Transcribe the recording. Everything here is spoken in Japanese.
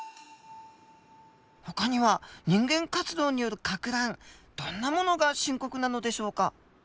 ほかには人間活動によるかく乱どんなものが深刻なのでしょうか？